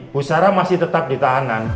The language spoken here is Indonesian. bu sara masih tetap di tahanan